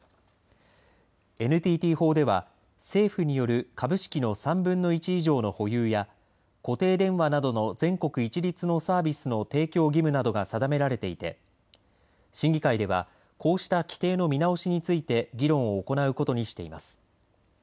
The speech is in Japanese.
ＮＴＴ法では政府による株式の３分の１以上の保有や固定電話などの全国一律のサービスの提供義務などが定められていて審議会ではこうした規定の見直しについて議論を行うことにしています。